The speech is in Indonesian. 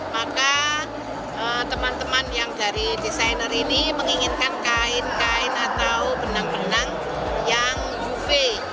maka teman teman yang dari desainer ini menginginkan kain kain atau benang benang yang juve